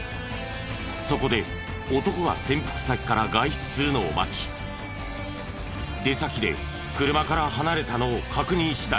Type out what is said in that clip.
そこで男が潜伏先から外出するのを待ち出先で車から離れたのを確認次第